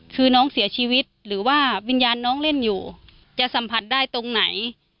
คือน้องเสียชีวิตหรือว่าวิญญาณน้องเล่นอยู่จะสัมผัสได้ตรงไหน